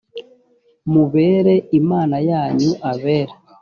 mubere imana yanyu abera